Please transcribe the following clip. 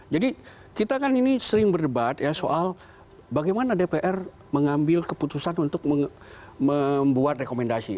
jadi kita kan ini sering berdebat ya soal bagaimana dpr mengambil keputusan untuk membuat rekomendasi